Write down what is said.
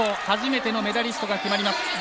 初めてのメダリストが決まります。